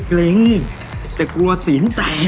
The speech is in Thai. เกร็งนี่จะกลัวศีลไต